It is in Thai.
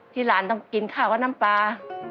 หลานต้องกินข้าวกับน้ำปลา